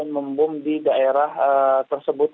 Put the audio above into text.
membom di daerah tersebut